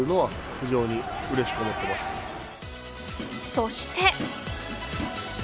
そして。